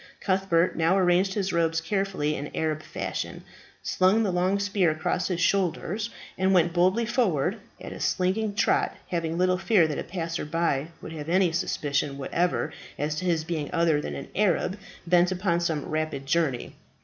Cuthbert now arranged his robes carefully in Arab fashion, slung the long spear across his shoulders, and went boldly forward at a slinging trot, having little fear that a passer by would have any suspicion whatever as to his being other than an Arab bent upon some rapid journey.